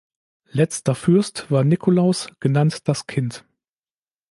Letzter Fürst war Nikolaus, genannt "das Kind".